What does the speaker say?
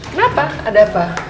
kenapa ada apa